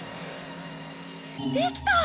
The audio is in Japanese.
できた！